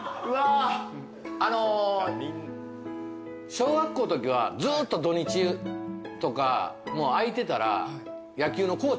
小学校のときはずっと土日とか空いてたら。